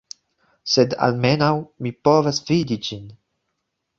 Sed almenaŭ mi povas vidi ĝin